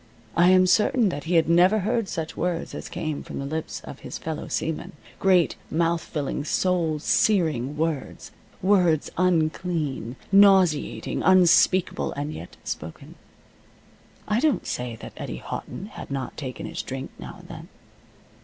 I am certain that he had never heard such words as came from the lips of his fellow seamen great mouth filling, soul searing words words unclean, nauseating, unspeakable, and yet spoken. I don't say that Eddie Houghton had not taken his drink now and then.